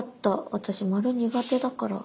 私丸苦手だから。